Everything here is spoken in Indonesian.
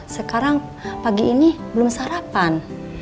sekarang pagi ini belum sarapan